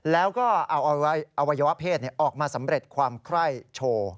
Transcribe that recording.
แล้วก็เอาอวัยวะเพศออกมาสำเร็จความไคร่โชว์